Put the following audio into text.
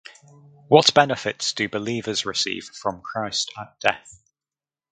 What benefits do believers receive from Christ at death?